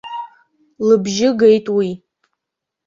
Лыбжьы геит уи.